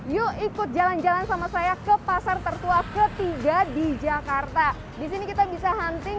yuk ikut jalan jalan sama saya ke pasar tertua ketiga di jakarta disini kita bisa hunting